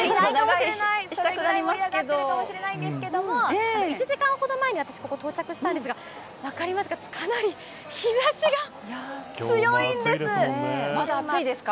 それぐらい盛り上がってるかもしれないんですけれども、１時間ほど前に私、ここ、到着したんですが、分かりますか、日ざしが強いまだ暑いですか？